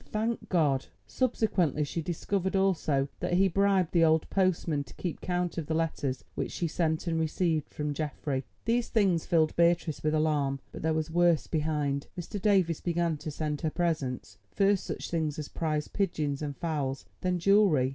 thank God!" Subsequently she discovered also that he bribed the old postman to keep count of the letters which she sent and received from Geoffrey. These things filled Beatrice with alarm, but there was worse behind. Mr. Davies began to send her presents, first such things as prize pigeons and fowls, then jewellery.